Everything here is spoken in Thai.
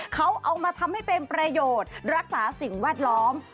เขาเอามาทำให้เป็นประโยชน์รักษาสิ่งแวดล้อม